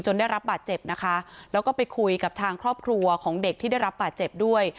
ได้รับบาดเจ็บนะคะแล้วก็ไปคุยกับทางครอบครัวของเด็กที่ได้รับบาดเจ็บด้วย